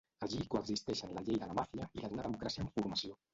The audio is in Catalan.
Allí coexisteixen la llei de la màfia i la d'una democràcia en formació.